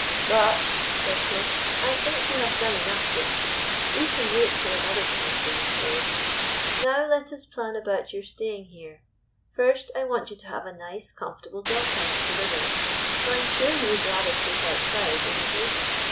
" But," said Chris, " I think you have done enough, Gypsy. We can wait till another time for your story. Now, let us plan about your staying here. First, I want you to have a nice, comfortable dog house to live in, for I 'm sure you would rather sleep outside, would n't you